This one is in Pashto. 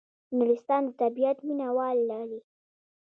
نورستان د طبیعت مینه وال لري